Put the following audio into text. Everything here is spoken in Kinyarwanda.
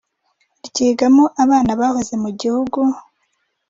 ryigagamo abana bahoze mu gihugu